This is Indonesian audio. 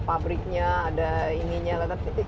pabriknya ada ininya tapi